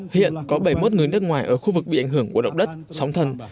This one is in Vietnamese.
hiện có bảy mươi một người nước ngoài ở khu vực bị ảnh hưởng của động đất sóng thần